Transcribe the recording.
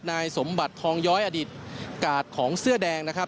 นายสมบัติทองย้อยอดิษฐ์กาดของเสื้อแดงนะครับ